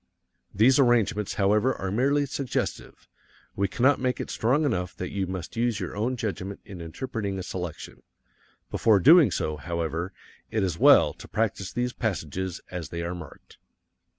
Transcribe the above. These arrangements, however, are merely suggestive we cannot make it strong enough that you must use your own judgment in interpreting a selection. Before doing so, however, it is well to practise these passages as they are marked.